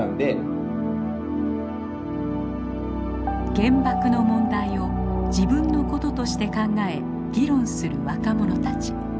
原爆の問題を自分の事として考え議論する若者たち。